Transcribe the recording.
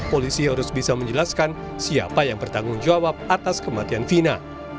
polisi harus bisa menjelaskan siapa yang bertanggung jawab atas kematian vina